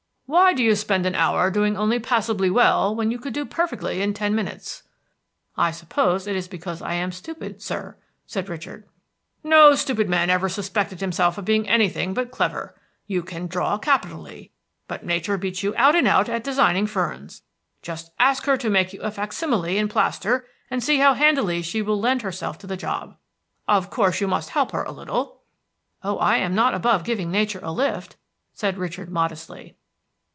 "Why do you spend an hour doing only passably well what you could do perfectly in ten minutes?" "I suppose it is because I am stupid, sir," said Richard. "No stupid man ever suspected himself of being anything but clever. You can draw capitally; but nature beats you out and out at designing ferns. Just ask her to make you a fac simile in plaster, and see how handily she will lend herself to the job. Of course you must help her a little." "Oh, I am not above giving nature a lift," said Richard modestly.